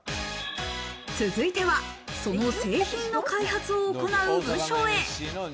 続いてはその製品の開発を行う部署へ。